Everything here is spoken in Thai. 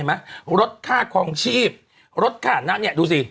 เห็นไหมลดค่าควองชีพลดค่านั้นเนี่ยดูสิ